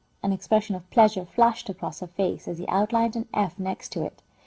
An expression of pleasure flashed across her face, as he outlined an F next to it.